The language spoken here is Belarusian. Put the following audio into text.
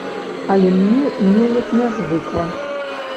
Але мне неяк нязвыкла.